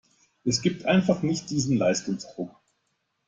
Es gibt einfach nicht diesen Leistungsdruck.